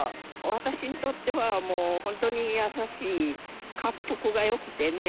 私にとってはもう本当に優しいかっぷくがよくてね